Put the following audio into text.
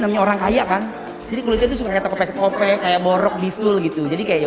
namanya orang kaya kan jadi kulitnya tuh suka kepek kepek kayak borok bisul gitu jadi kayak ya